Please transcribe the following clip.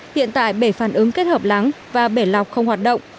hiện tại bể phản ứng kết hợp lắng và bể lọc không hoạt động